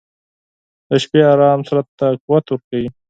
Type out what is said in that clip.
• د شپې ارام بدن ته قوت ورکوي.